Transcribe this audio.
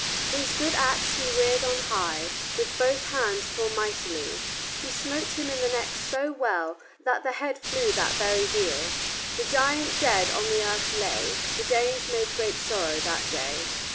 "His good axe he reared on high With both hands full mightily; He smote him in the neck so well, That the head flew that very deal. The giant dead on the earth lay; The Danes made great sorrow that day."